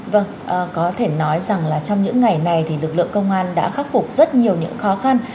vâng có thể nói rằng là trong những ngày này thì lực lượng công an đã khắc phục rất nhiều những khó khăn